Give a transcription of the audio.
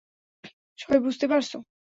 সবাই বুঝতে পারছো?